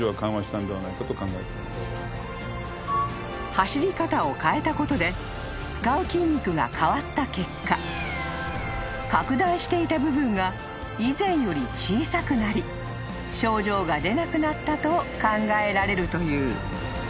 ［走り方を変えたことで使う筋肉が変わった結果拡大していた部分が以前より小さくなり症状が出なくなったと考えられるという］